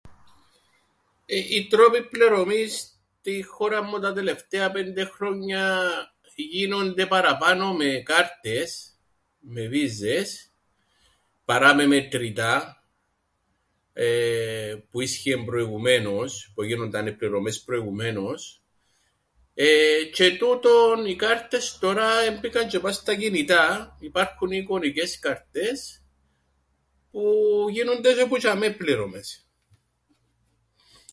Οι τρόποι πλερωμής στην χώραν μου τα τελευταία πέντε χρόνια γίνονται παραπάνω με κάρτες... με βίζες παρά με μετρητά που ίσχυεν προηγουμένως που εγίνουνταν οι πληρωμές προηγουμένως εε... τζ̆αι τούτον οι κάρτες τωρά εμπήκαν τζ̆αι πά' στα κινητά υπάρχουν οι εικονικές κάρτες που γίνουνται τζ̆αι που τζ̆ειαμαί πληρωμές.